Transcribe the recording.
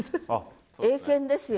英検ですよ。